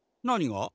何が？